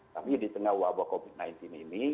tapi di tengah wabah covid sembilan belas ini